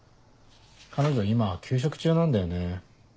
彼女今休職中なんだよね。